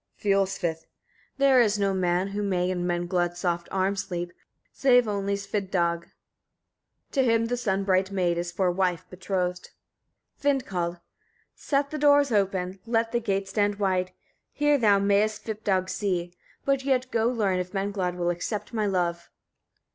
Fiolsvith. 43. There is no man who may in Menglod's soft arms sleep, save only Svipdag; to him the sun bright maid is for wife betrothed. Vindkald. 44. Set the doors open! Let the gate stand wide; here thou mayest Svipdag see; but yet go learn if Menglod will accept my love.